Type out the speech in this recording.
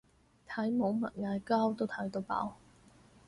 睇網民嗌交都睇到飽